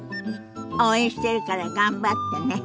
応援してるから頑張ってね。